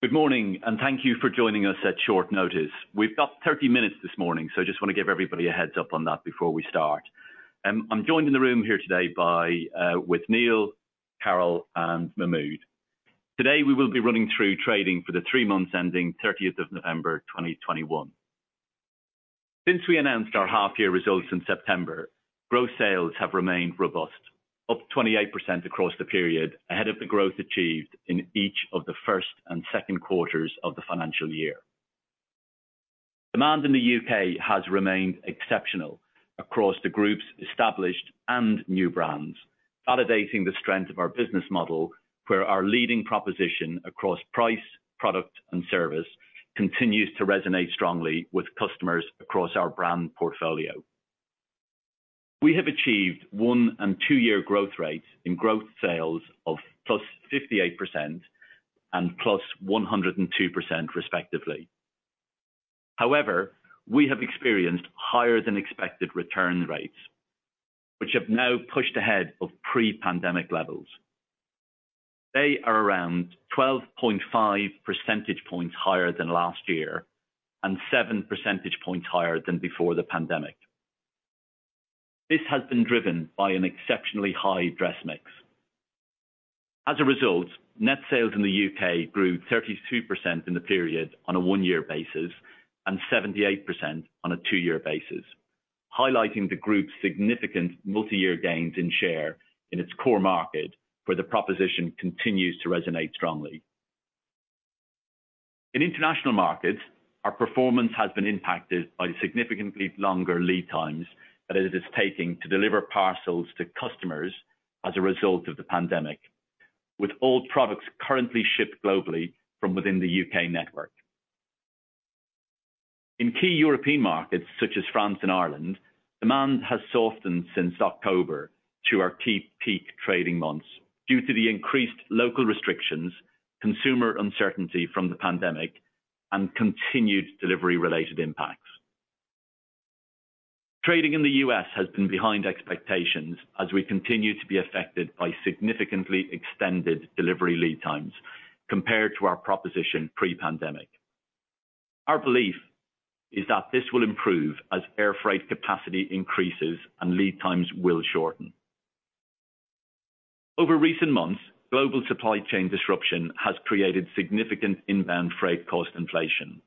Good morning, and thank you for joining us at short notice. We've got 30 minutes this morning, so I just wanna give everybody a heads up on that before we start. I'm joined in the room here today by, with Neil, Carol, and Mahmoud. Today, we will be running through trading for the three months ending 30th of November, 2021. Since we announced our half year results in September, growth sales have remained robust, up 28% across the period ahead of the growth achieved in each of the first and second quarters of the financial year. Demand in the U.K. has remained exceptional across the group's established and new brands, validating the strength of our business model where our leading proposition across price, product, and service continues to resonate strongly with customers across our brand portfolio. We have achieved one-year and two-year growth rates in gross sales of +58% and +102% respectively. However, we have experienced higher than expected return rates, which have now pushed ahead of pre-pandemic levels. They are around 12.5 percentage points higher than last year, and 7 percentage points higher than before the pandemic. This has been driven by an exceptionally high dress mix. As a result, net sales in the U.K. grew 32% in the period on a one-year basis and 78% on a two-year basis, highlighting the group's significant multi-year gains in share in its core market where the proposition continues to resonate strongly. In international markets, our performance has been impacted by significantly longer lead times than it is taking to deliver parcels to customers as a result of the pandemic. With all products currently shipped globally from within the U.K. network. In key European markets such as France and Ireland, demand has softened since October to our key peak trading months due to the increased local restrictions, consumer uncertainty from the pandemic, and continued delivery related impacts. Trading in the U.S. has been behind expectations as we continue to be affected by significantly extended delivery lead times compared to our proposition pre-pandemic. Our belief is that this will improve as air freight capacity increases and lead times will shorten. Over recent months, global supply chain disruption has created significant inbound freight cost inflation,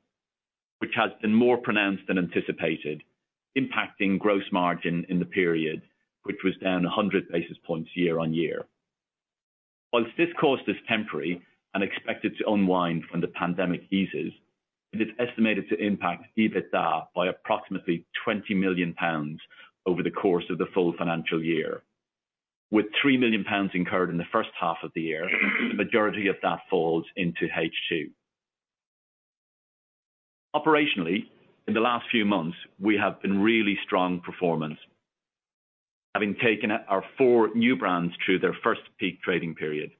which has been more pronounced than anticipated, impacting gross margin in the period, which was down 100 basis points year-on-year. While this cost is temporary and expected to unwind when the pandemic eases, it is estimated to impact EBITDA by approximately 20 million pounds over the course of the full financial year. With 3 million pounds incurred in the first half of the year, the majority of that falls into H2. Operationally, in the last few months, we have seen really strong performance. Having taken our four new brands through their first peak trading period,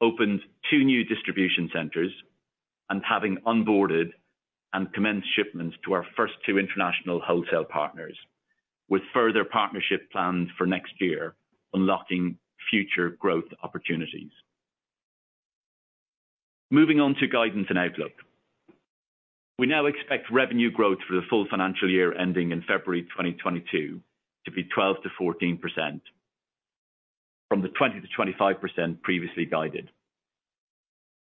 opened two new distribution centers and having onboarded and commenced shipments to our first two international wholesale partners with further partnership plans for next year, unlocking future growth opportunities. Moving on to guidance and outlook. We now expect revenue growth for the full financial year ending in February 2022 to be 12%-14% from the 20%-25% previously guided.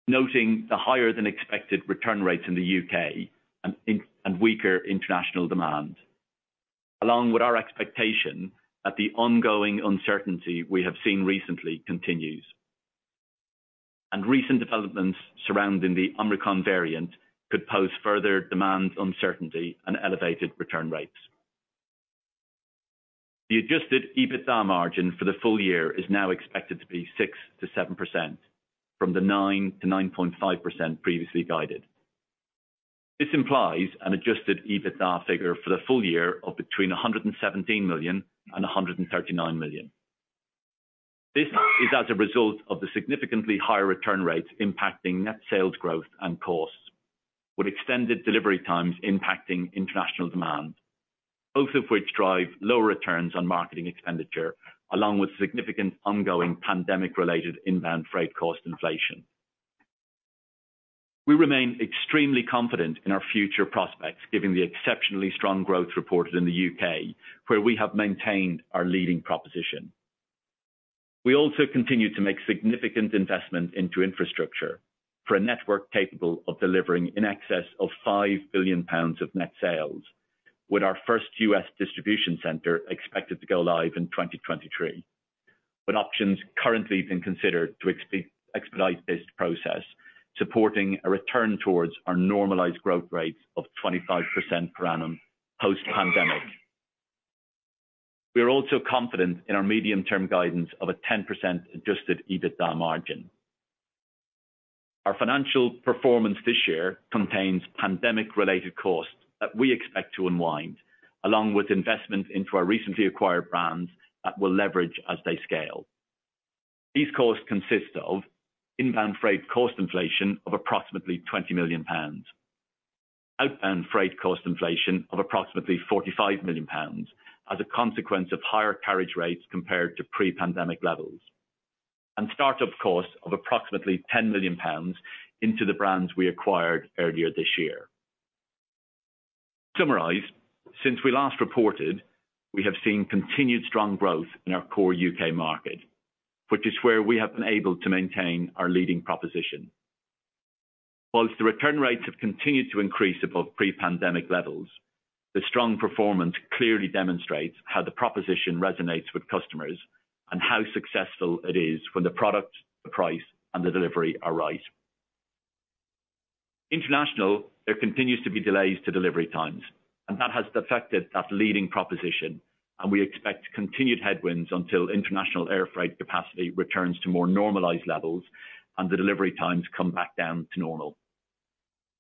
Noting the higher than expected return rates in the U.K. and weaker international demand, along with our expectation that the ongoing uncertainty we have seen recently continues. Recent developments surrounding the Omicron variant could pose further demand uncertainty and elevated return rates. The adjusted EBITDA margin for the full year is now expected to be 6%-7% from the 9%-9.5% previously guided. This implies an adjusted EBITDA figure for the full year of between 117 million and 139 million. This is as a result of the significantly higher return rates impacting net sales growth and costs, with extended delivery times impacting international demand, both of which drive lower returns on marketing expenditure, along with significant ongoing pandemic related inbound freight cost inflation. We remain extremely confident in our future prospects given the exceptionally strong growth reported in the U.K., where we have maintained our leading proposition. We also continue to make significant investment into infrastructure for a network capable of delivering in excess of 5 billion pounds of net sales with our first U.S. distribution center expected to go live in 2023, with options currently being considered to expedite this process, supporting a return towards our normalized growth rate of 25% per annum post-pandemic. We are also confident in our medium-term guidance of a 10% adjusted EBITDA margin. Our financial performance this year contains pandemic-related costs that we expect to unwind, along with investment into our recently acquired brands that will leverage as they scale. These costs consist of inbound freight cost inflation of approximately 20 million pounds. Outbound freight cost inflation of approximately 45 million pounds as a consequence of higher carriage rates compared to pre-pandemic levels. Startup costs of approximately 10 million pounds into the brands we acquired earlier this year. Summarized, since we last reported, we have seen continued strong growth in our core U.K. market, which is where we have been able to maintain our leading proposition. While the return rates have continued to increase above pre-pandemic levels, the strong performance clearly demonstrates how the proposition resonates with customers and how successful it is when the product, the price, and the delivery are right. Internationally, there continues to be delays to delivery times, and that has affected that leading proposition, and we expect continued headwinds until international air freight capacity returns to more normalized levels and the delivery times come back down to normal.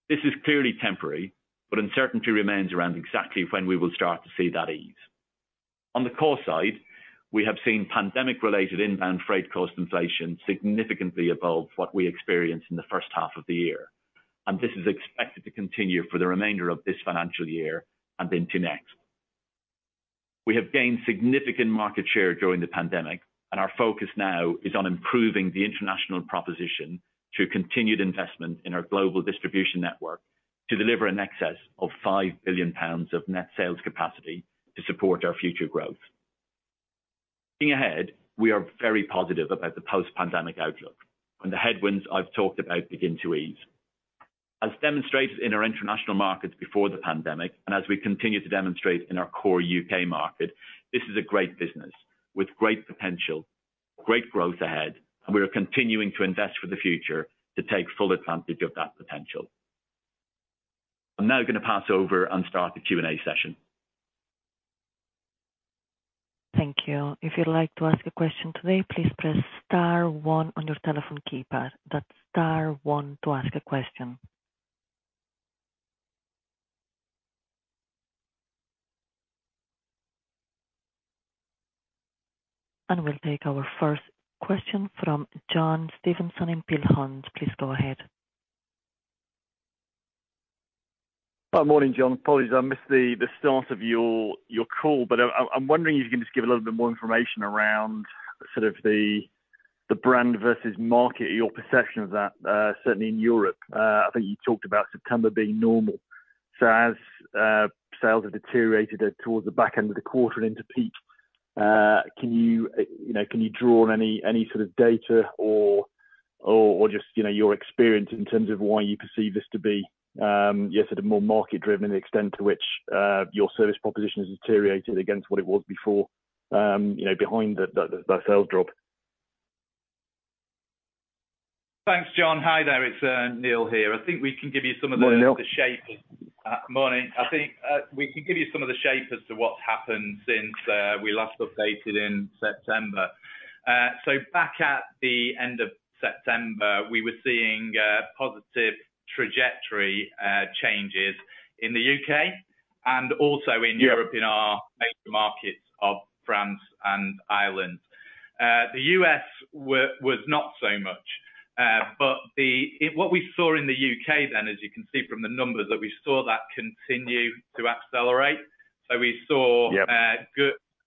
This is clearly temporary, but uncertainty remains around exactly when we will start to see that ease. On the core side, we have seen pandemic-related inbound freight cost inflation significantly above what we experienced in the first half of the year. This is expected to continue for the remainder of this financial year and into next. We have gained significant market share during the pandemic, and our focus now is on improving the international proposition through continued investment in our global distribution network to deliver in excess of 5 billion pounds of net sales capacity to support our future growth. Looking ahead, we are very positive about the post-pandemic outlook when the headwinds I've talked about begin to ease. As demonstrated in our international markets before the pandemic, and as we continue to demonstrate in our core U.K. market, this is a great business with great potential, great growth ahead, and we are continuing to invest for the future to take full advantage of that potential. I'm now gonna pass over and start the Q&A session. Thank you. If you'd like to ask a question today, please press star one on your telephone keypad. That's star one to ask a question. We'll take our first question from John Stevenson from Peel Hunt. Please go ahead. Morning, John. Apologies, I missed the start of your call, but I'm wondering if you can just give a little bit more information around sort of the brand versus market, your perception of that, certainly in Europe. I think you talked about September being normal. As sales have deteriorated towards the back end of the quarter into peak, can you draw on any sort of data or just your experience in terms of why you perceive this to be at a more market driven, the extent to which your service proposition has deteriorated against what it was before, behind the sales drop? Thanks, John. Hi there. It's Neil here. I think we can give you some of the- Morning, Neil. Morning. I think we can give you some of the shape as to what's happened since we last updated in September. Back at the end of September, we were seeing positive trajectory changes in the U.K. and also in Europe in our major markets of France and Ireland. The U.S. was not so much, but what we saw in the U.K. then, as you can see from the numbers, that we saw continue to accelerate. We saw Yeah.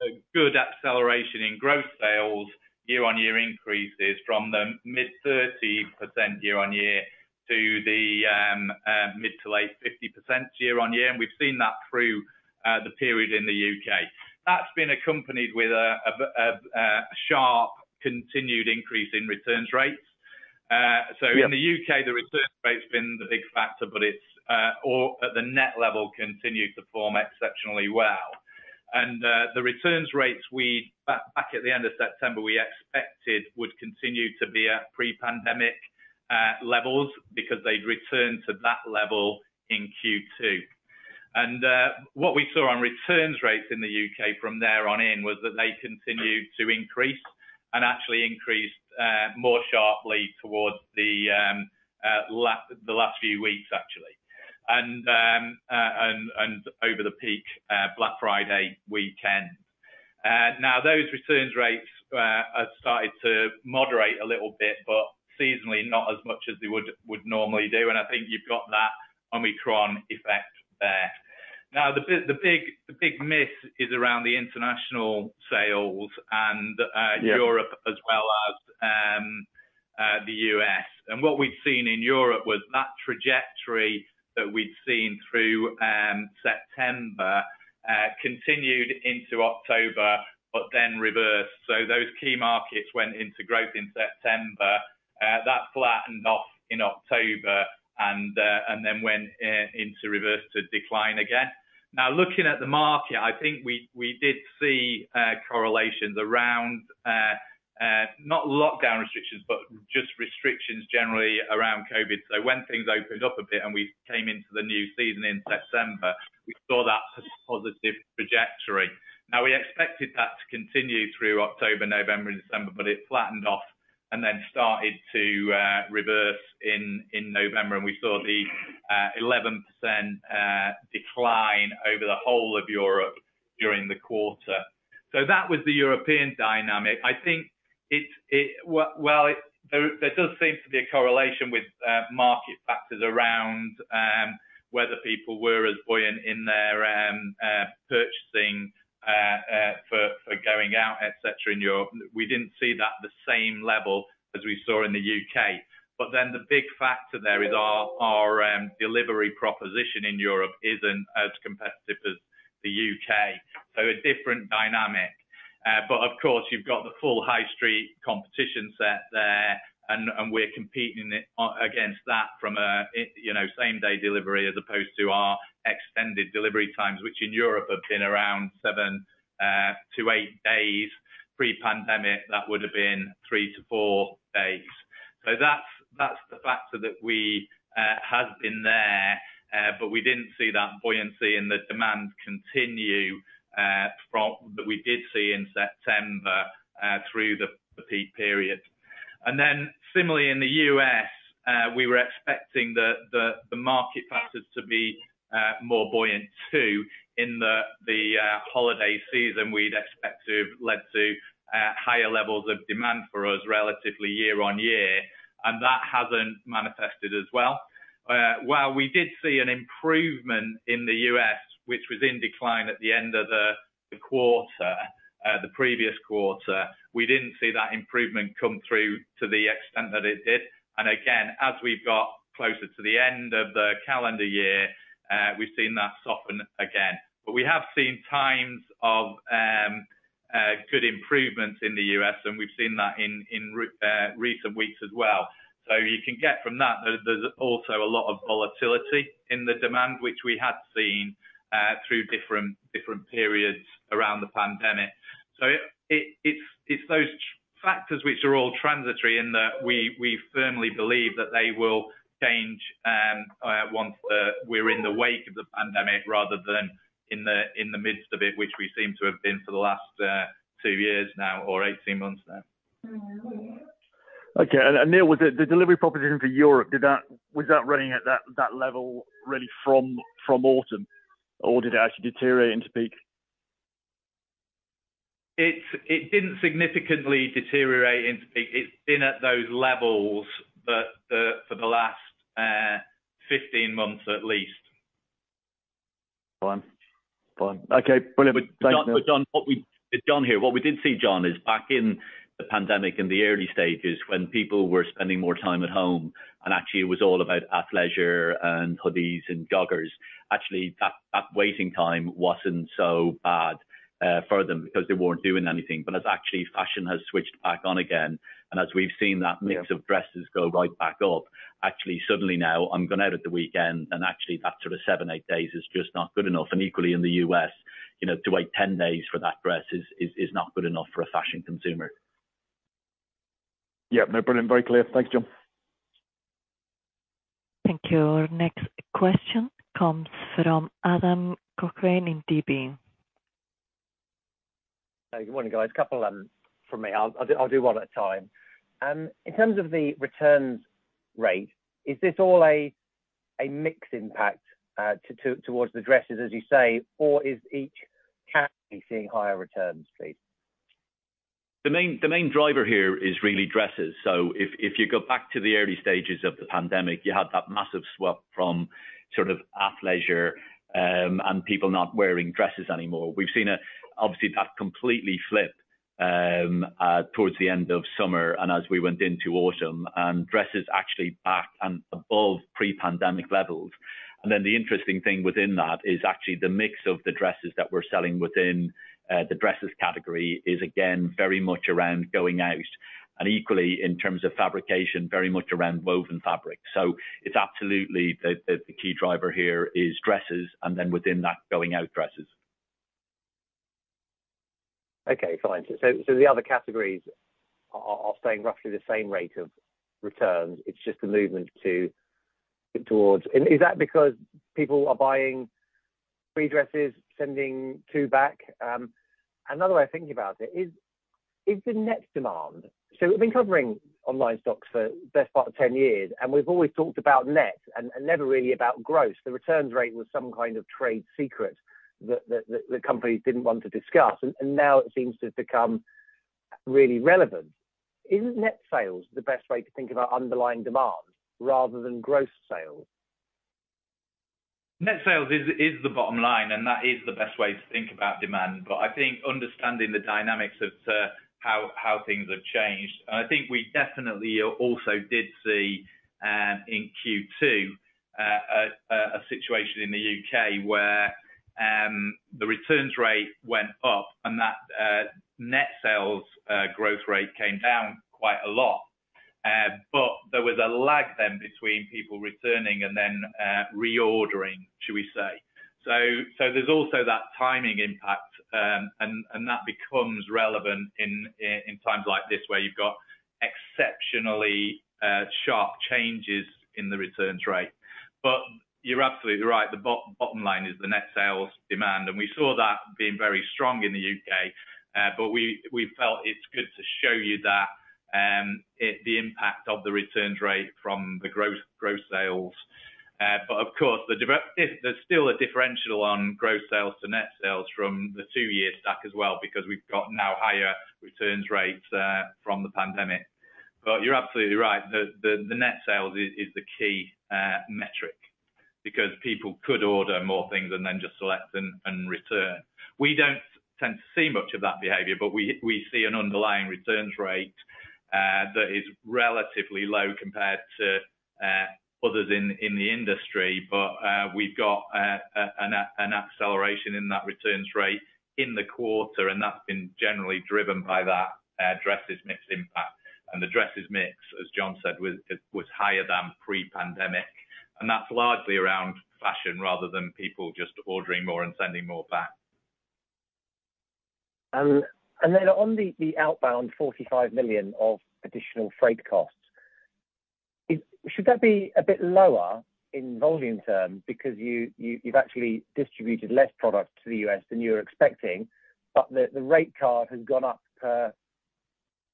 A good acceleration in gross sales year-on-year increases from the mid-30% year-on-year to the mid- to late-50% year-on-year. We've seen that through the period in the U.K. That's been accompanied with a sharp continued increase in returns rates. Yeah. In the U.K., the returns rate's been the big factor, but it's or at the net level continued to form exceptionally well. The returns rates back at the end of September, we expected would continue to be at pre-pandemic levels because they'd return to that level in Q2. What we saw on returns rates in the U.K. from there on in was that they continued to increase and actually increased more sharply towards the last few weeks, actually, and over the peak Black Friday weekend. Now those returns rates have started to moderate a little bit, but seasonally, not as much as they would normally do. I think you've got that Omicron effect there. Now, the big myth is around the international sales and Yeah. Europe as well as the U.S.. What we've seen in Europe was that trajectory that we'd seen through September continued into October, but then reversed. Those key markets went into growth in September. That flattened off in October and then went into reverse to decline again. Now, looking at the market, I think we did see correlations around not lockdown restrictions, but just restrictions generally around COVID. When things opened up a bit and we came into the new season in September, we saw that positive trajectory. Now, we expected that to continue through October, November, and December, but it flattened off and then started to reverse in November. We saw the 11% decline over the whole of Europe during the quarter. That was the European dynamic. I think. Well, there does seem to be a correlation with market factors around whether people were as buoyant in their purchasing for going out, et cetera, in Europe. We didn't see that at the same level as we saw in the U.K. The big factor there is our delivery proposition in Europe isn't as competitive as the U.K. A different dynamic. But of course, you've got the full High Street competition set there, and we're competing against that from a, you know, same-day delivery as opposed to our extended delivery times, which in Europe have been around seven days-eight days. Pre-pandemic, that would have been three days-four days. That's the factor that we had been there, but we didn't see that buoyancy in the demand continue from that we did see in September through the peak period. Then similarly in the U.S., we were expecting the market factors to be more buoyant too in the holiday season we'd expect to have led to higher levels of demand for us relatively year-on-year, and that hasn't manifested as well. While we did see an improvement in the U.S., which was in decline at the end of the previous quarter, we didn't see that improvement come through to the extent that it did. Again, as we've got closer to the end of the calendar year, we've seen that soften again. We have seen times of good improvements in the U.S., and we've seen that in recent weeks as well. You can get from that, there's also a lot of volatility in the demand, which we had seen through different periods around the pandemic. It's those factors which are all transitory and that we firmly believe that they will change once we're in the wake of the pandemic rather than in the midst of it, which we seem to have been for the last two years now or 18 months now. Okay. Neil, was the delivery proposition for Europe running at that level really from autumn or did it actually deteriorate into peak? It didn't significantly deteriorate into peak. It's been at those levels for the last 15 months at least. Fine. Okay. Brilliant. Thanks, Neil. John, what we did see, John, is back in the pandemic in the early stages, when people were spending more time at home, and actually it was all about athleisure and hoodies and joggers, actually, that waiting time wasn't so bad for them because they weren't doing anything. As actually fashion has switched back on again, and as we've seen that mix of dresses go right back up, actually suddenly now I'm going out at the weekend, and actually that sort of seven days-eight days is just not good enough. Equally in the U.S., you know, to wait 10 days for that dress is not good enough for a fashion consumer. Yeah. No, brilliant. Very clear. Thank you, John. Thank you. Our next question comes from Adam Cochrane in DB. Good morning, guys. A couple from me. I'll do one at a time. In terms of the returns rate, is this all a mix impact towards the dresses, as you say, or is each category seeing higher returns, please? The main driver here is really dresses. If you go back to the early stages of the pandemic, you had that massive swap from sort of athleisure and people not wearing dresses anymore. We've seen that obviously completely flipped towards the end of summer and as we went into autumn, and dresses actually back and above pre-pandemic levels. The interesting thing within that is actually the mix of the dresses that we're selling within the dresses category is again very much around going out and equally in terms of fabrication very much around woven fabric. It's absolutely the key driver here is dresses, and then within that, going out dresses. Okay, fine. The other categories are staying roughly the same rate of returns. It's just a movement towards. Is that because people are buying three dresses, sending two back? Another way of thinking about it is the net demand. We've been covering online stocks for the best part of 10 years, and we've always talked about net and never really about growth. The returns rate was some kind of trade secret that companies didn't want to discuss, and now it seems to have become really relevant. Isn't net sales the best way to think about underlying demand rather than gross sales? Net sales is the bottom line, and that is the best way to think about demand. I think understanding the dynamics of how things have changed, and I think we definitely also did see in Q2 a situation in the U.K. where the returns rate went up and that net sales growth rate came down quite a lot. There was a lag then between people returning and then reordering, should we say. There's also that timing impact, and that becomes relevant in times like this where you've got exceptionally sharp changes in the returns rate. You're absolutely right, the bottom line is the net sales demand. We saw that being very strong in the U.K., but we felt it's good to show you that, the impact of the returns rate from the gross sales. But of course, if there's still a differential on gross sales to net sales from the two-year stack as well, because we've got now higher returns rates from the pandemic. But you're absolutely right. The net sales is the key metric because people could order more things and then just select and return. We don't tend to see much of that behavior, but we see an underlying returns rate that is relatively low compared to others in the industry. We've got an acceleration in that returns rate in the quarter, and that's been generally driven by that dresses mix impact. The dresses mix, as John said, was higher than pre-pandemic, and that's largely around fashion rather than people just ordering more and sending more back. On the outbound 45 million of additional freight costs, should that be a bit lower in volume terms because you've actually distributed less product to the U.S. than you were expecting, but the rate card has gone up per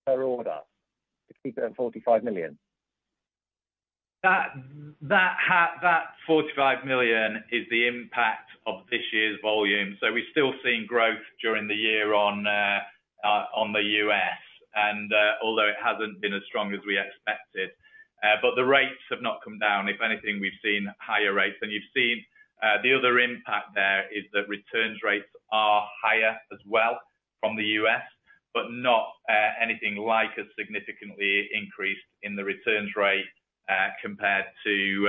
order to keep it at 45 million? That 45 million is the impact of this year's volume. We're still seeing growth during the year on the U.S. and although it hasn't been as strong as we expected. The rates have not come down. If anything, we've seen higher rates. You've seen the other impact there is that returns rates are higher as well from the U.S., but not anything like as significantly increased in the returns rate compared to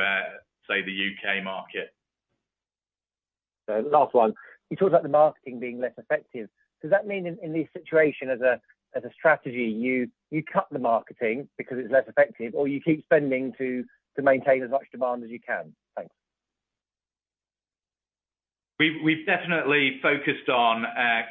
say the U.K. market. Last one. You talked about the marketing being less effective. Does that mean in this situation as a strategy, you cut the marketing because it's less effective or you keep spending to maintain as much demand as you can? Thanks. We've definitely focused on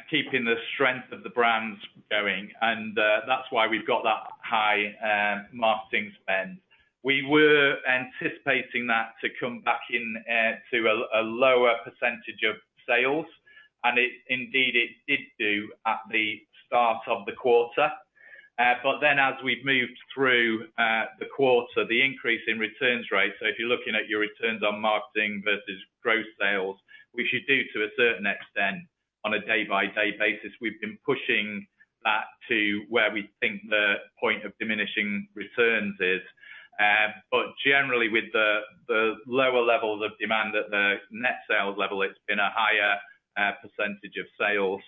keeping the strength of the brands going, and that's why we've got that high marketing spend. We were anticipating that to come back in to a lower percentage of sales, and it indeed did do at the start of the quarter. But then as we've moved through the quarter, the increase in returns rate, so if you're looking at your returns on marketing versus gross sales, we should do to a certain extent on a day by day basis. We've been pushing that to where we think the point of diminishing returns is. But generally with the lower levels of demand at the net sales level, it's been a higher percentage of sales.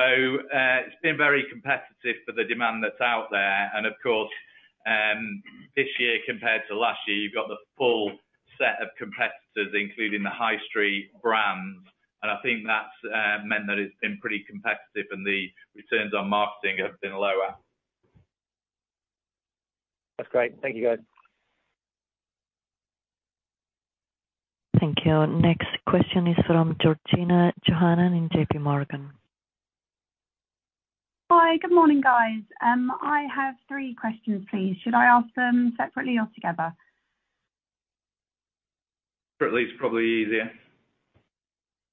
It's been very competitive for the demand that's out there. Of course, this year compared to last year, you've got the full set of competitors, including the High Street brands. I think that's meant that it's been pretty competitive and the returns on marketing have been lower. That's great. Thank you, guys. Thank you. Next question is from Georgina Johanan in JPMorgan. Hi. Good morning, guys. I have three questions, please. Should I ask them separately or together? Separately is probably easier.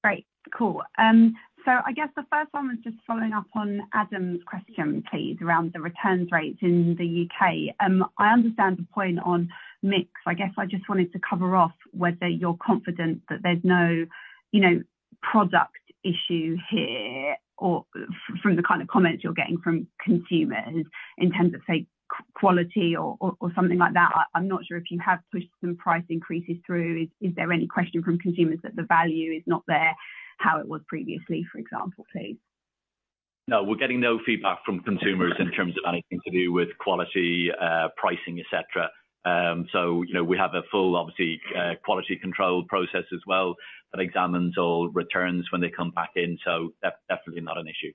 Great. Cool. I guess the first one was just following up on Adam's question, please, around the returns rates in the U.K.. I understand the point on mix. I guess I just wanted to cover off whether you're confident that there's no, you know, product issue here or from the kind of comments you're getting from consumers in terms of, say, quality or something like that. I'm not sure if you have pushed some price increases through. Is there any question from consumers that the value is not there, how it was previously, for example, please? No, we're getting no feedback from consumers in terms of anything to do with quality, pricing, et cetera. You know, we have a full, obviously, quality control process as well that examines all returns when they come back in. Definitely not an issue.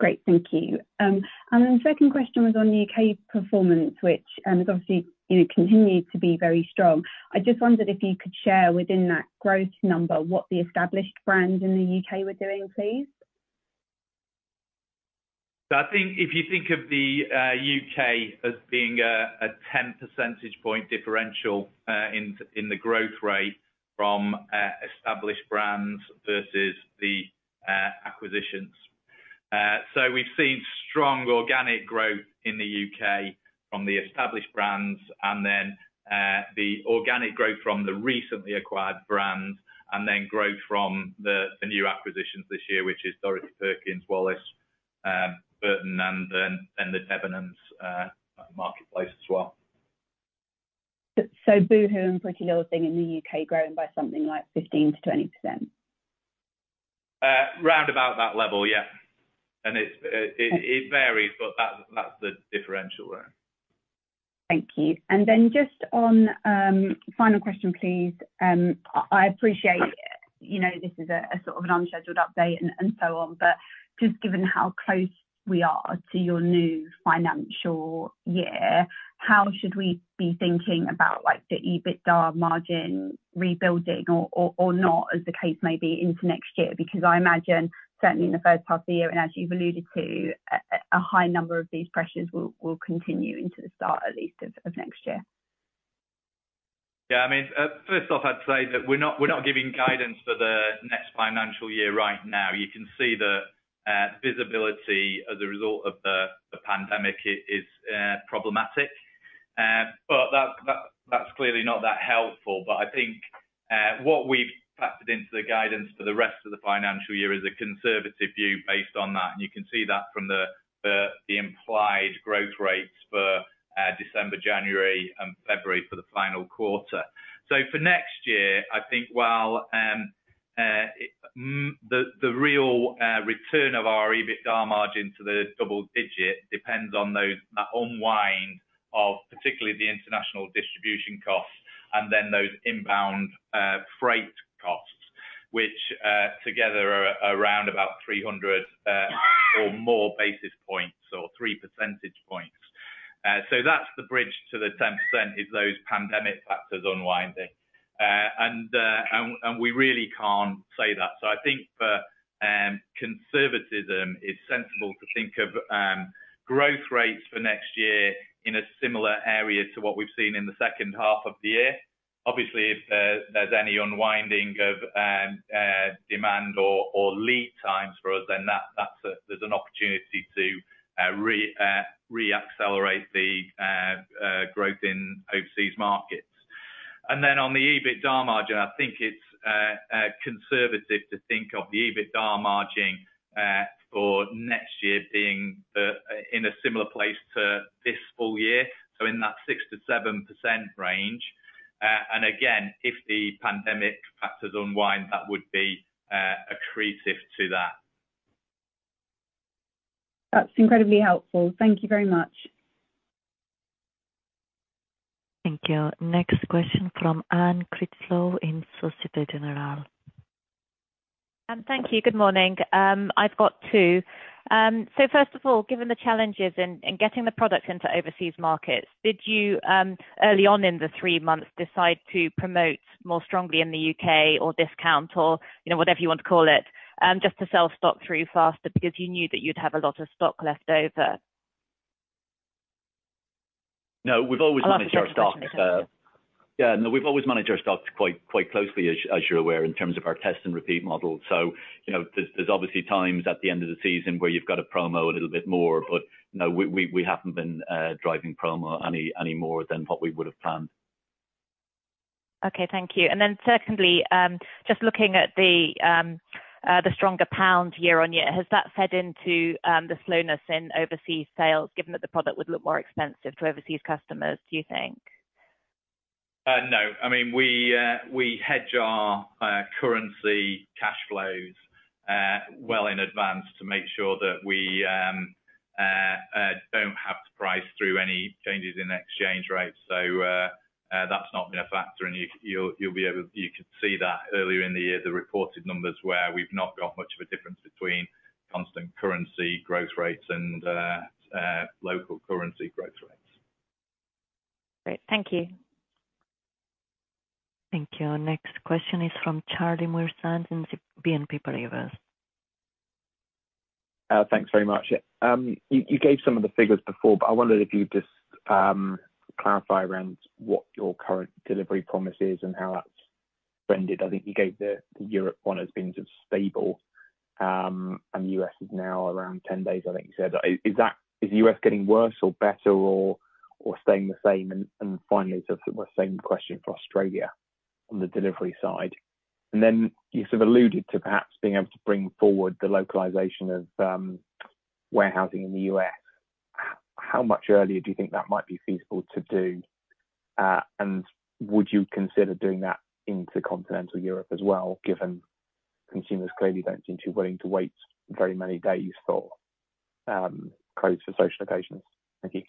Great. Thank you. The second question was on the U.K. performance, which has obviously, you know, continued to be very strong. I just wondered if you could share within that growth number what the established brands in the U.K. were doing, please. I think if you think of the U.K. as being a 10 percentage point differential in the growth rate from established brands versus the acquisitions. We've seen strong organic growth in the U.K. from the established brands and then the organic growth from the recently acquired brands and then growth from the new acquisitions this year, which is Dorothy Perkins, Wallis, Burton, and then the Debenhams marketplace as well. Boohoo and PrettyLittleThing in the U.K. growing by something like 15%-20%? Round about that level, yeah. It varies, but that's the differential there. Thank you. Just on final question, please. I appreciate, you know, this is a sort of an unscheduled update and so on, but just given how close we are to your new financial year, how should we be thinking about like the EBITDA margin rebuilding or not, as the case may be, into next year? Because I imagine certainly in the first half of the year, and as you've alluded to, a high number of these pressures will continue into the start at least of next year. Yeah, I mean, first off, I'd say that we're not giving guidance for the next financial year right now. You can see the visibility as a result of the pandemic is problematic. That's clearly not that helpful. I think what we've factored into the guidance for the rest of the financial year is a conservative view based on that. You can see that from the implied growth rates for December, January, and February for the final quarter. For next year, I think while the real return of our EBITDA margin to the double digit depends on that unwind of particularly the international distribution costs and then those inbound freight costs, which together are around about 300 or more basis points or 3 percentage points. That's the bridge to the 10% is those pandemic factors unwinding. We really can't say that. I think for conservatism, it's sensible to think of growth rates for next year in a similar area to what we've seen in the second half of the year. Obviously, if there's any unwinding of demand or lead times for us, then that's an opportunity to reaccelerate the growth in overseas markets. On the EBITDA margin, I think it's conservative to think of the EBITDA margin for next year being in a similar place to this full year, so in that 6%-7% range. Again, if the pandemic factors unwind, that would be accretive to that. That's incredibly helpful. Thank you very much. Thank you. Next question from Anne Critchlow in Société Générale. Thank you. Good morning. I've got two. First of all, given the challenges in getting the product into overseas markets, did you early on in the three months, decide to promote more strongly in the U.K. or discount or, you know, whatever you want to call it, just to sell stock through faster because you knew that you'd have a lot of stock left over? No, we've always managed our stock. A lot of inventory. Yeah. No, we've always managed our stocks quite closely, as you're aware, in terms of our test and repeat model. You know, there's obviously times at the end of the season where you've got to promo a little bit more. No, we haven't been driving promo any more than what we would have planned. Okay, thank you. Secondly, just looking at the stronger pound year-over-year, has that fed into the slowness in overseas sales, given that the product would look more expensive to overseas customers, do you think? No. I mean, we hedge our currency cash flows well in advance to make sure that we don't have to price through any changes in exchange rates. That's not been a factor. You could see that earlier in the year, the reported numbers where we've not got much of a difference between constant currency growth rates and local currency growth rates. Great. Thank you. Thank you. Next question is from Charlie Muir-Sands in BNP Paribas. Thanks very much. Yeah. You gave some of the figures before, but I wondered if you'd just clarify around what your current delivery promise is and how that's rendered. I think you gave the Europe one as being just stable. The U.S. is now around 10 days, I think you said. Is the U.S. getting worse or better or staying the same? Finally, sort of the same question for Australia on the delivery side. You sort of alluded to perhaps being able to bring forward the localization of warehousing in the U.S. How much earlier do you think that might be feasible to do? Would you consider doing that into Continental Europe as well, given consumers clearly don't seem too willing to wait very many days for clothes for social occasions? Thank you.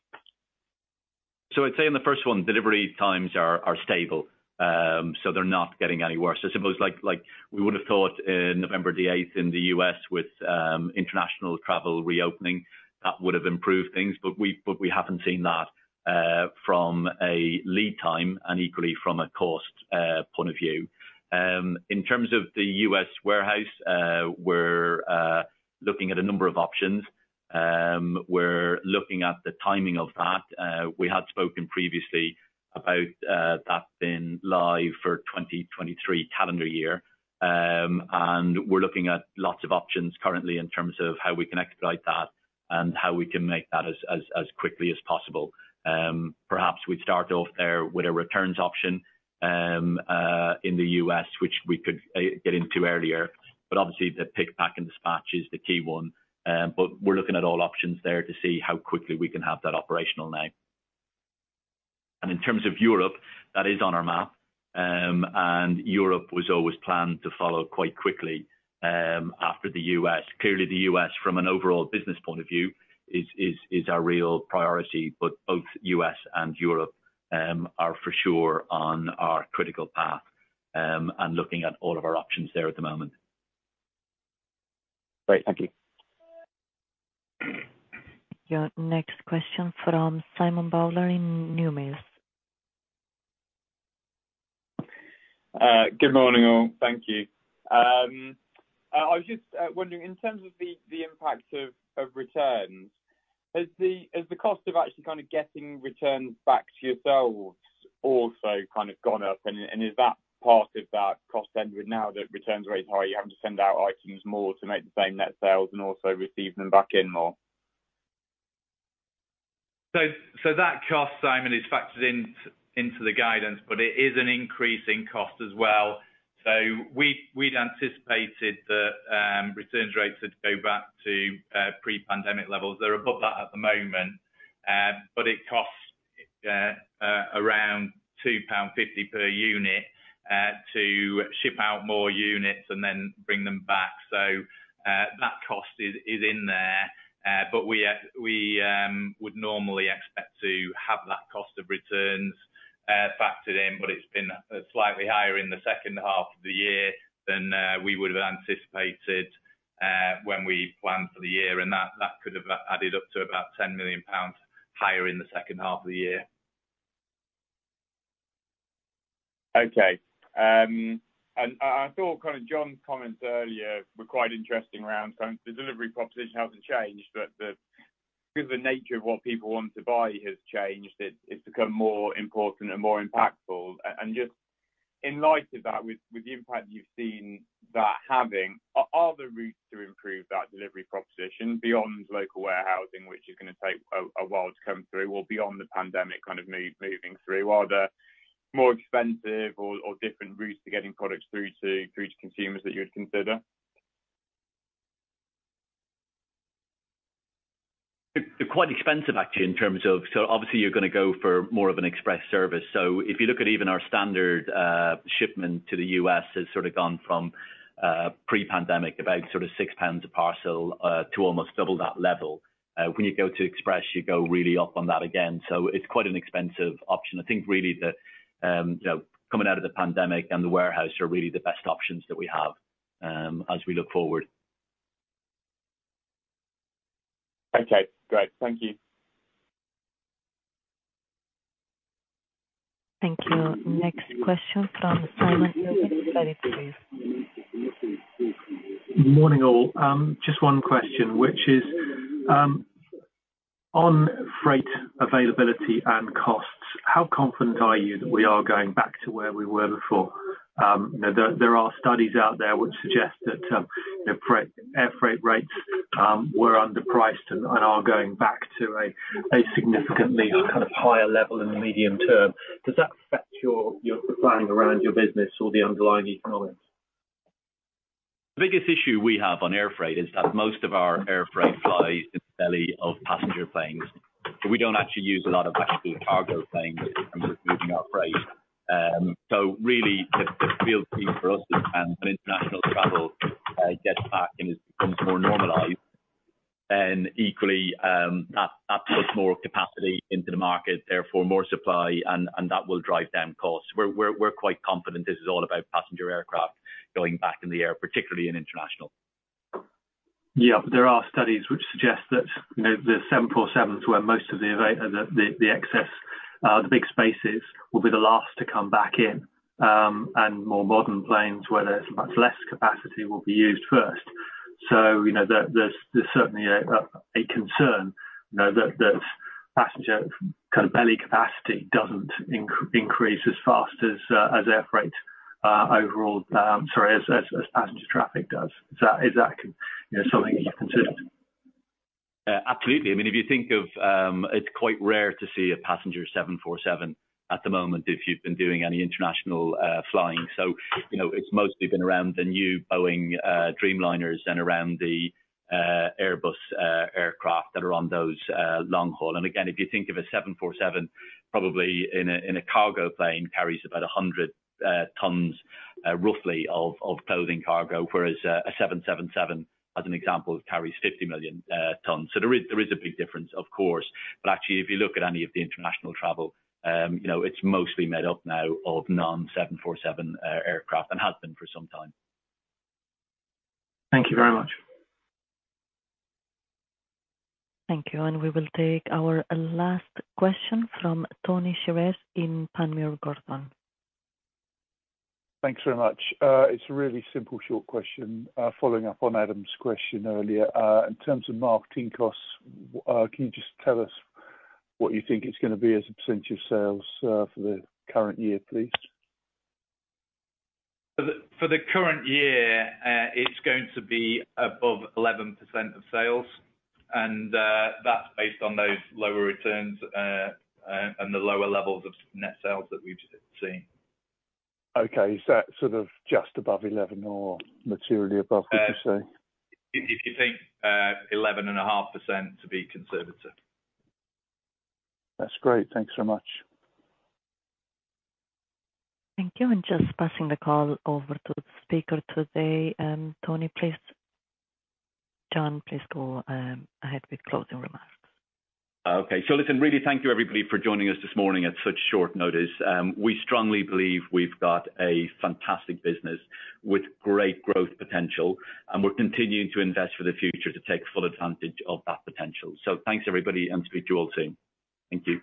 I'd say on the first one, delivery times are stable. They're not getting any worse. I suppose like we would have thought in November 8th in the U.S. with international travel reopening, that would have improved things. We haven't seen that from a lead time and equally from a cost point of view. In terms of the U.S. warehouse, we're looking at a number of options. We're looking at the timing of that. We had spoken previously about that being live for 2023 calendar year. We're looking at lots of options currently in terms of how we can execute that and how we can make that as quickly as possible. Perhaps we'd start off there with a returns option in the U.S., which we could get into earlier. Obviously the pick, pack, and dispatch is the key one. We're looking at all options there to see how quickly we can have that operational now. In terms of Europe, that is on our map. Europe was always planned to follow quite quickly after the U.S. Clearly, the U.S., from an overall business point of view, is our real priority. Both U.S. and Europe are for sure on our critical path. Looking at all of our options there at the moment. Great. Thank you. Your next question from Simon Bowler in Numis. Good morning all. Thank you. I was just wondering, in terms of the impact of returns, has the cost of actually kind of getting returns back to yourselves also kind of gone up? Is that part of that cost then with now that return rates are high, you're having to send out items more to make the same net sales and also receive them back in more? That cost, Simon, is factored into the guidance, but it is an increase in cost as well. We'd anticipated that returns rates would go back to pre-pandemic levels. They're above that at the moment. It costs around 2.50 pound per unit to ship out more units and then bring them back. That cost is in there. We would normally expect to have that cost of returns factored in, but it's been slightly higher in the second half of the year than we would have anticipated when we planned for the year, and that could have added up to about 10 million pounds higher in the second half of the year. Okay. I thought kind of John's comments earlier were quite interesting around kind of the delivery proposition hasn't changed, but because the nature of what people want to buy has changed, it's become more important and more impactful. Just in light of that, with the impact you've seen that having, are there routes to improve that delivery proposition beyond local warehousing, which is gonna take a while to come through or beyond the pandemic kind of moving through? Are there more expensive or different routes to getting products through to consumers that you would consider? They're quite expensive actually in terms of. Obviously you're gonna go for more of an express service. If you look at even our standard shipment to the U.S. has sort of gone from pre-pandemic about sort of 6 pounds a parcel to almost double that level. When you go to express, you go really up on that again. It's quite an expensive option. I think really the coming out of the pandemic and the warehouse are really the best options that we have as we look forward. Okay, great. Thank you. Thank you. Next question from please. Morning all. Just one question, which is, on freight availability and costs, how confident are you that we are going back to where we were before? You know, there are studies out there which suggest that, you know, air freight rates were underpriced and are going back to a significantly kind of higher level in the medium term. Does that affect your planning around your business or the underlying economics? The biggest issue we have on air freight is that most of our air freight flies in the belly of passenger planes. We don't actually use a lot of actual cargo planes in terms of moving our freight. Really the real key for us is when international travel gets back and becomes more normalized, then equally, that puts more capacity into the market, therefore more supply and that will drive down costs. We're quite confident this is all about passenger aircraft going back in the air, particularly in international. Yeah. There are studies which suggest that, you know, the 747s where most of the excess, the big spaces will be the last to come back in, and more modern planes where there's much less capacity will be used first. You know, there's certainly a concern, you know, that passenger kind of belly capacity doesn't increase as fast as passenger traffic does. Is that something that you consider? Absolutely. I mean, if you think of, it's quite rare to see a passenger 747 at the moment if you've been doing any international flying. You know, it's mostly been around the new Boeing Dreamliners and around the Airbus aircraft that are on those long haul. Again, if you think of a 747 probably in a cargo plane carries about 100 tons roughly of clothing cargo, whereas a 777 as an example carries 50 million tons. There is a big difference, of course. Actually, if you look at any of the international travel, you know, it's mostly made up now of non-747 aircraft and has been for some time. Thank you very much. Thank you. We will take our last question from Tony Shiret in Panmure Gordon. Thanks very much. It's a really simple short question, following up on Adam's question earlier. In terms of marketing costs, can you just tell us what you think it's gonna be as a percentage of sales, for the current year, please? For the current year, it's going to be above 11% of sales, and that's based on those lower returns and the lower levels of net sales that we've seen. Okay. Is that sort of just above 11 or materially above would you say? If you think 11.5% to be conservative. That's great. Thanks so much. Thank you. Just passing the call over to the speaker today, Tony, please. John, please go ahead with closing remarks. Okay. Listen, really thank you everybody for joining us this morning at such short notice. We strongly believe we've got a fantastic business with great growth potential, and we're continuing to invest for the future to take full advantage of that potential. Thanks, everybody, and speak to you all soon. Thank you.